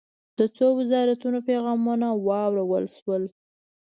د څو وزارتونو پیغامونه واورل شول.